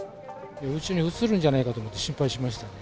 うちに移るんじゃないかと思って心配しました。